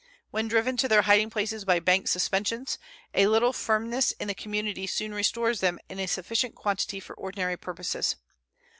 When driven to their hiding places by bank suspensions, a little firmness in the community soon restores them in a sufficient quantity for ordinary purposes.